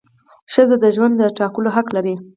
ښځه د ژوند د ټاکلو حق لري.